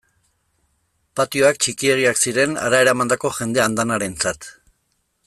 Patioak txikiegiak ziren hara eramandako jende andanarentzat.